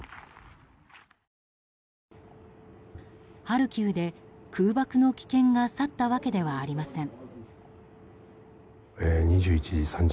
ハルキウで空爆の危険が去ったわけではありません。